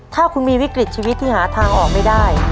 ถ้าคุณมีวิกฤตชีวิตที่หาทางออกไม่ได้